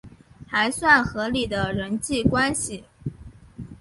还算合理的人际关系